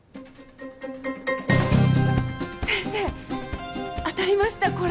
先生当たりましたこれ。